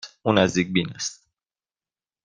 او نزدیک بین است.